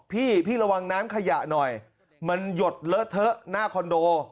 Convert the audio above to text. พี่พี่ระวังน้ำขยะหน่อยมันหยดเลอะเทอะหน้าคอนโด